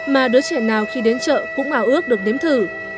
mà đứa trẻ nào khi đến chợ cũng hào ước được đếm thử